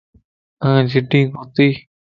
آن جڍين ڪوتي